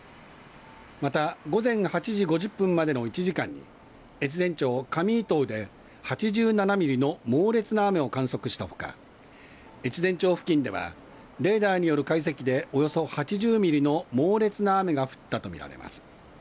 また午前８時５０分までの１時間に越前町上糸生で８７ミリの猛烈な雨を観測したほか越前町付近ではレーダーによる解析でおよそ８０ミリの猛烈な雨が降ったと見られます。